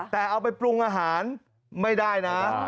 แต่เอาไปปรุงอาหารไม่ได้นะ